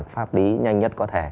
đạt pháp lý nhanh nhất có thể